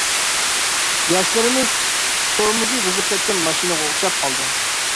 ياشلىرىمىز تورمۇزى بۇزۇلۇپ كەتكەن ماشىنىغا ئوخشاپ قالدى.